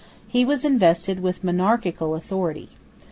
He was invested with monarchical authority.